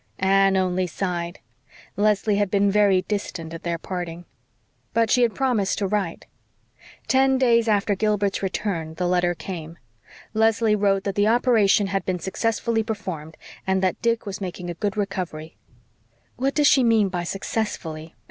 Anne only sighed. Leslie had been very distant at their parting. But she had promised to write. Ten days after Gilbert's return the letter came. Leslie wrote that the operation had been successfully performed and that Dick was making a good recovery. "What does she mean by 'successfully?'"